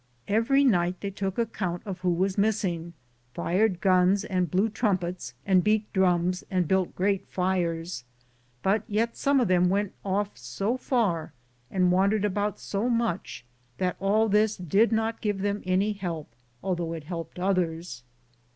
Every night they took account of who was missing, fired guns and blew trumpets and beat drums and built great fires, but yet some of them went off so far and wandered about so much that all this did not give them any help, although it helped others.